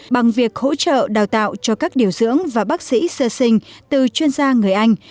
bằng việc hỗ trợ đào tạo cho các điều dưỡng và bác sĩ sơ sinh từ chuyên gia người anh